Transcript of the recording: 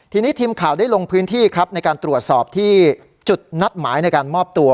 ทีนี้ทีมข่าวได้ลงพื้นที่ครับในการตรวจสอบที่จุดนัดหมายในการมอบตัว